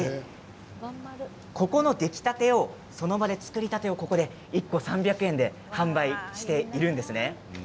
ここの出来たて、その場で作りたてを１個３００円で販売しているんですね。